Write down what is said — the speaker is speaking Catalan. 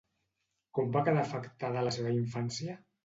Com va quedar afectada la seva infància?